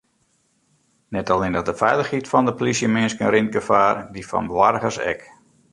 Net allinnich de feilichheid fan de plysjeminsken rint gefaar, dy fan boargers ek.